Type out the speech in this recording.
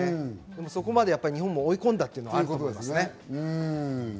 そこまで日本を追い込んだのはあると思いますね。